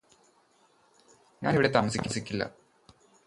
ഞാനിവിടെ താമസിക്കില്ലാ